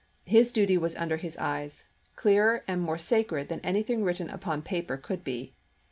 His duty was under his eyes, clearer and more sacred than anything written upon paper could be.